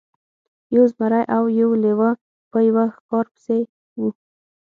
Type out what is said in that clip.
یو زمری او یو لیوه په یوه ښکار پسې وو.